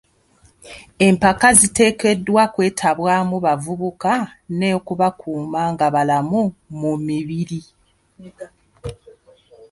Empaka ziteekeddwa kwetabwamu bavubuka n'okubakuuma nga balamu mu mibiri.